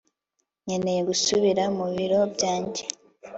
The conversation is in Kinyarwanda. nkeneye gusubira mu biro byanjye